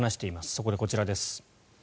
そこで、こちらです。